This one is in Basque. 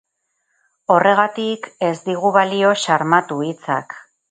Horregatik ez digu balio xarmatu hitzak.